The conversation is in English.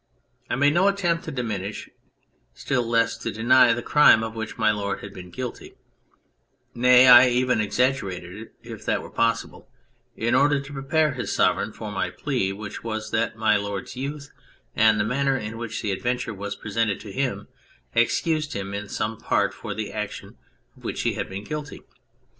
I made no attempt to diminish, still less to deny the crime of which My Lord had been guilty ; nay, I even exaggerated it, if that were possible, in order to prepare his Sovereign for my plea, which was that My Lord's youth and the manner in which the adventure was presented to him excused him in some part for the action of which he had been guilty.